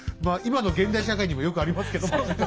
まあ今の現代社会にもよくありますけど。